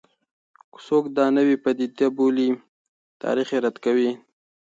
که څوک دا نوې پدیده وبولي، تاریخ یې رد کوي.